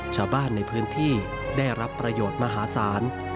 ชาวบ้านในพื้นที่ได้รับประโยชน์มหาศาล